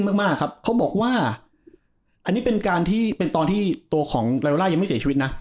มากมากครับเขาบอกว่าอันนี้เป็นการที่เป็นตอนที่ตัวของลาล่ายังไม่เสียชีวิตนะ